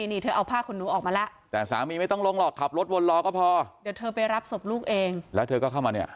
นี่เธอเอาผ้าขนหนูออกมาแล้วแต่สามีไม่ต้องลงหรอกขับรถวนรอก็พอเดี๋ยวเธอไปรับศพลูกเองแล้วเธอก็เข้ามาเนี่ย